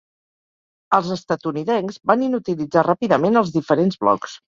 Els estatunidencs van inutilitzar ràpidament els diferents blocs.